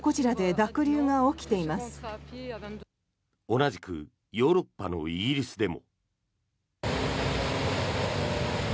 同じくヨーロッパのイギリスでも。